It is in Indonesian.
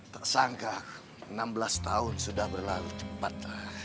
tak sangka enam belas tahun sudah berlalu cepat